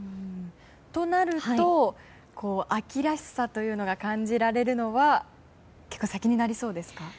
となると、秋らしさというのが感じられるのは結構先になりそうですか？